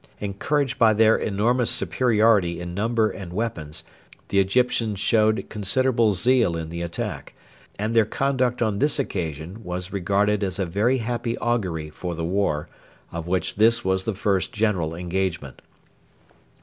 Encouraged by their enormous superiority in number and weapons, the Egyptians showed considerable zeal in the attack, and their conduct on this occasion was regarded as a very happy augury for the war, of which this was the first general engagement.